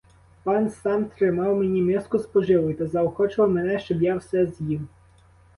Пан сам тримав мені миску з поживою та заохочував мене, щоб я все з'їв.